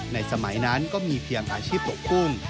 สมัยนั้นก็มีเพียงอาชีพตกกุ้ง